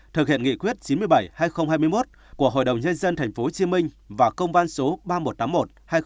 thực hiện nghị quyết chín mươi bảy hai nghìn hai mươi một của hội đồng nhân dân tp hcm và công văn số ba nghìn một trăm tám mươi một hai nghìn hai mươi